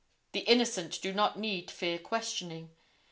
The innocent do not need fear questioning.